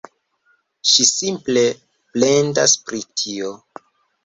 Ŝi simple plendas pri tio.